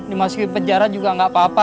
dimasuki penjara juga nggak apa apa